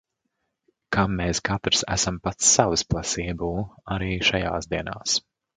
Ka mēs katrs esam pats savs placebo – arī šajās dienās!